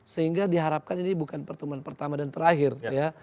sehingga diharapkan ini bukan pertemuan pertama dan terakhir ya